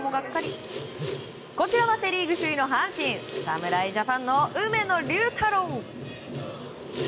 こちらはセ・リーグ首位の阪神の梅野隆太郎。